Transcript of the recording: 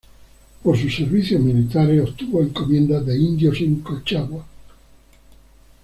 Por sus servicios militares obtuvo encomiendas de indios en Colchagua.